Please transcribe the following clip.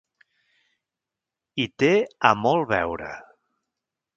Hi té a molt veure.